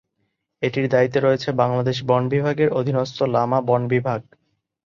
এটির দায়িত্বে রয়েছে বাংলাদেশ বন বিভাগের অধীনস্থ লামা বন বিভাগ।